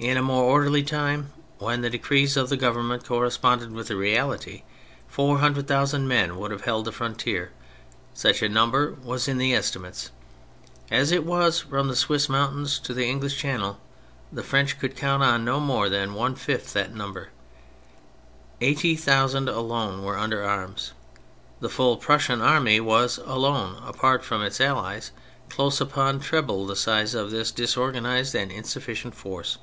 In a more orderly time, when the decrees of the Government corresponded with reality, four hundred thousand men would have held the frontier ; such a number was in the estimates. As it was, from the Swiss mountains to the English Channel, the French could count on no more than one fifth of that number. Eighty thousand alone were under arms. The full Prussian army was, alone, apart from its allies, close upon treble the size of this disorganised and insufficient force.